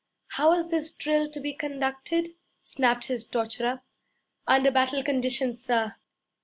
'How was this drill to be conducted?' snapped his torturer. 'Under battle conditions, sir.'